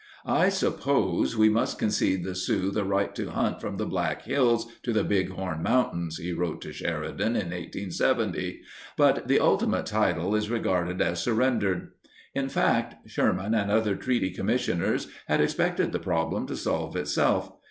"I suppose we must concede the Sioux the right to hunt from the Black Hills ... to the Big Horn Mountains," he wrote to Sheridan in 1870, "but the ultimate title is regarded as surrendered." In fact, Sherman and other treaty commissioners had expected the problem to solve itself.